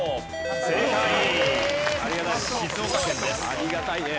ありがたいね。